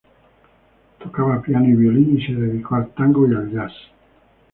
Tocaba piano y violín y se dedicó al tango y al jazz.